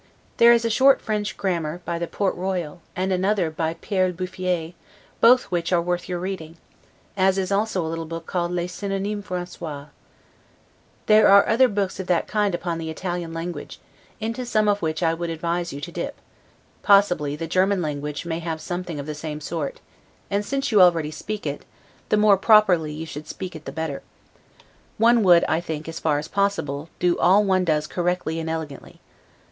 There is a short French grammar by the Port Royal, and another by Pere Buffier, both which are worth your reading; as is also a little book called 'Les Synonymes Francois. There are books of that kind upon the Italian language, into some of which I would advise you to dip; possibly the German language may have something of the same sort, and since you already speak it, the more properly you speak it the better; one would, I think, as far as possible, do all one does correctly and elegantly.